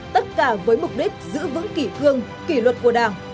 tất cả với mục đích giữ vững kỷ cương kỷ luật của đảng